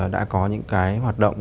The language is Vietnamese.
đã có những cái hoạt động